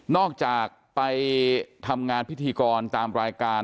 จากไปทำงานพิธีกรตามรายการ